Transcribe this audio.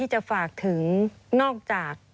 มีบอกว่าเป็นผู้การหรือรองผู้การไม่แน่ใจนะคะที่บอกเราในโทรศัพท์